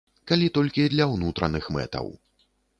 Калі толькі для ўнутраных мэтаў.